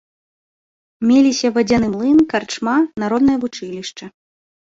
Меліся вадзяны млын, карчма, народнае вучылішча.